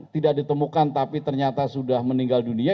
tidak ditemukan tapi ternyata sudah meninggal dunia